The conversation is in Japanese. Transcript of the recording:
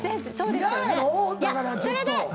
嫌やろ⁉だからちょっと。